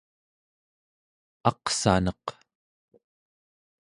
aqsaneq